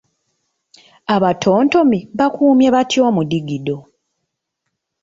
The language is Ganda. Abatontomi bakuumye batya omudigido?